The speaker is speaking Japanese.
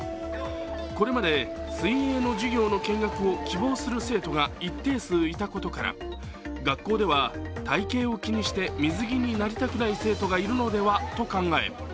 これまで水泳の授業の見学を希望する生徒が一定数いたことから学校では体型を気にして水着になりたくない生徒がいるのではと考え